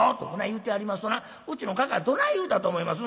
言うてやりますとなうちのかかあどない言うたと思います？